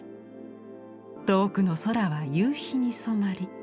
遠くの空は夕日に染まり